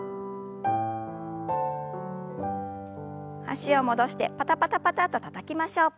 脚を戻してパタパタパタとたたきましょう。